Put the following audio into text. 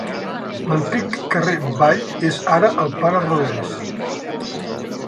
L'antic carrer Vall és ara el Pare Rodés.